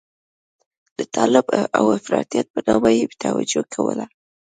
د طالب او افراطيت په نامه یې توجیه کوله.